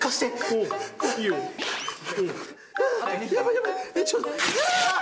うわ！